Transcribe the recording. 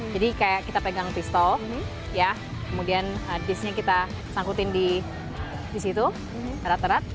jadi kayak kita pegang pistol kemudian disknya kita sangkutin di situ erat erat